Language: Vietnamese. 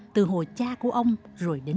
từ hồi cha của ông rồi đến ông